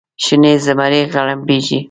شنې زمرۍ غړمبیږې